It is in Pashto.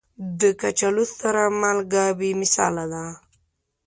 د کچالو سره مالګه بې مثاله ده.